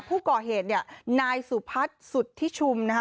ผู้ก่อเหตุเนี่ยนายสุพัฒน์สุทธิชุมนะคะ